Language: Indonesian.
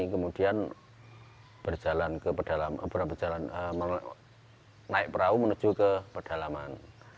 kemudian berjalan ke pedalaman naik perahu menuju ke pedalaman